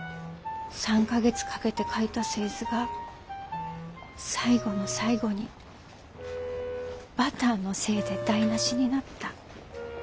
３か月かけて描いた製図が最後の最後にバターのせいで台なしになった。